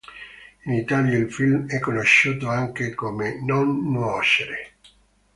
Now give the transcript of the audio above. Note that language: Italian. In Italia il film è conosciuto anche come Non nuocere.